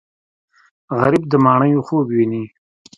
غریب د ماڼیو خوب ویني